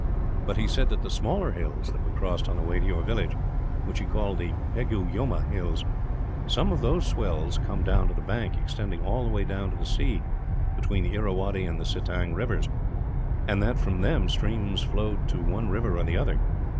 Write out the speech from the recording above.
But he said that the smaller hills that we crossed on the way to your village which he called the Pegu Yoma hills some of whose swells come down to the bank, extend all the way down to the sea between the Irrawaddy and the Sittang rivers; and that, from them, streams flowed to one river or the other.